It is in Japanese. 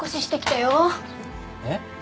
えっ？